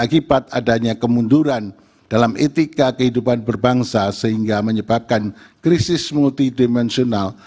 akibat adanya kemunduran dalam etika kehidupan berbangsa sehingga menyebabkan krisis multidimensional